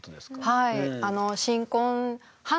はい。